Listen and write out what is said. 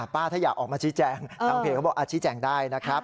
ป้าถ้าอยากออกมาชี้แจงทางเพจเขาบอกชี้แจงได้นะครับ